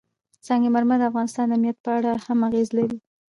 سنگ مرمر د افغانستان د امنیت په اړه هم اغېز لري.